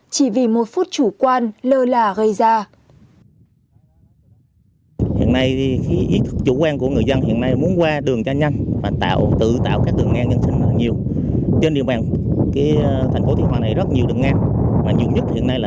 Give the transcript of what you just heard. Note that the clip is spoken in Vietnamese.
chỉ vì một phút chủ quan lơ là gây ra